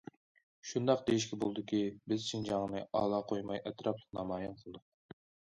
شۇنداق دېيىشكە بولىدۇكى، بىز شىنجاڭنى ئالا قويماي ئەتراپلىق نامايان قىلدۇق.